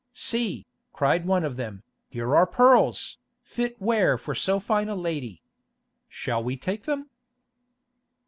"See," cried one of them, "here are pearls, fit wear for so fine a lady. Shall we take them?"